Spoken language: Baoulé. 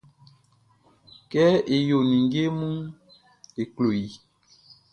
Kɛ e yo ninnge munʼn, n klo i.